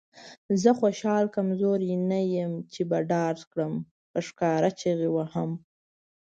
زه خوشحال کمزوری نه یم چې به ډار کړم. په ښکاره چیغې وهم.